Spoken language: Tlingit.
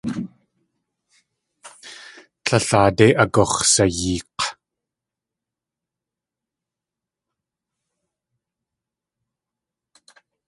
Tlél aadé agux̲sayeek̲.